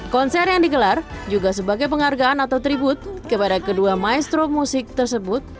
konser yang digelar juga sebagai penghargaan atau tribut kepada kedua maestro musik tersebut